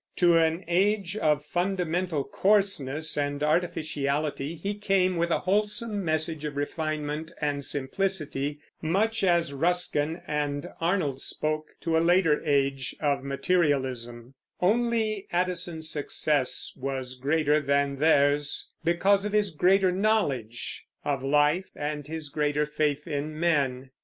To an age of fundamental coarseness and artificiality he came with a wholesome message of refinement and simplicity, much as Ruskin and Arnold spoke to a later age of materialism; only Addison's success was greater than theirs because of his greater knowledge of life and his greater faith in men.